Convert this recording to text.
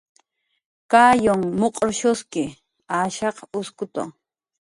Kayunh muq'rshuski, ashaq uskutu